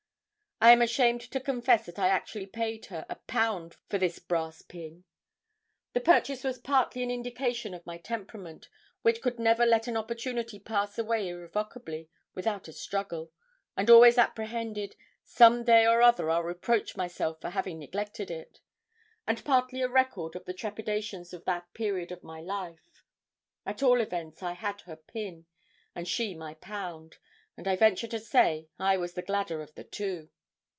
I am ashamed to confess that I actually paid her a pound for this brass pin! The purchase was partly an indication of my temperament, which could never let an opportunity pass away irrevocably without a struggle, and always apprehended 'Some day or other I'll reproach myself for having neglected it!' and partly a record of the trepidations of that period of my life. At all events I had her pin, and she my pound, and I venture to say I was the gladder of the two.